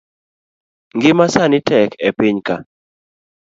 Ngima sani tek e piny ka